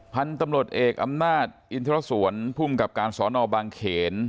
พันธุ์ตำรวจเอกอำนาจอินทรสวนภูมิกับการสอนอบางเขน